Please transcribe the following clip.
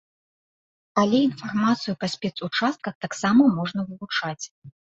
Але інфармацыю па спецучастках таксама можна вывучаць.